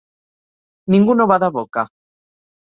Ningú no bada boca.